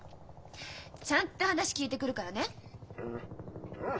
ちゃんと話聞いてくるからね。